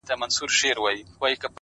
• سرومال به مو تر مېني قرباني کړه,